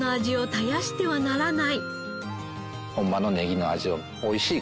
ホンマのネギの味を美味しいからね